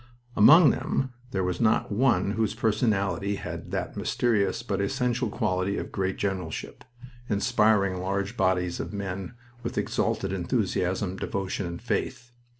Among them there was not one whose personality had that mysterious but essential quality of great generalship inspiring large bodies of men with exalted enthusiasm, devotion, and faith.